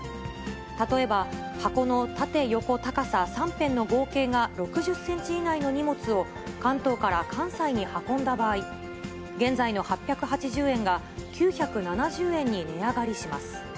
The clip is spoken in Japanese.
例えば、箱の縦横高さ３辺の合計が６０センチ以内の荷物を、関東から関西に運んだ場合、現在の８８０円が９７０円に値上がりします。